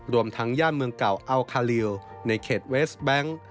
รวมทั้งย่านเมืองเก่าอัลคาลิวในเขตเวสแบงค์